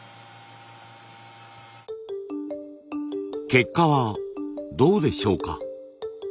結果はどうでしょうか。